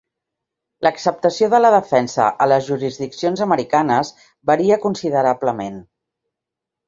L"acceptació de la defensa a les jurisdiccions americanes varia considerablement.